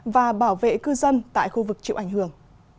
và bảo vệ cư dân tại khu vực chịu ảnh hưởng